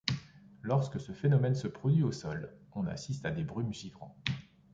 Lorsque ce phénomène se produit au sol, on assiste à des brumes givrantes.